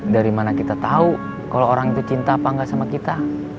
dari mana kita tahu kalau orang itu cinta apa enggak sama kita